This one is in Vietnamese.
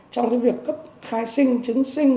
trong việc cấp khai sinh chứng sinh